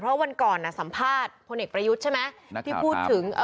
เราก็จะต้องถามหน่อยเพราะวันก่อนสัมภาษณ์คนเอกประยุทธ์ที่พูดถึง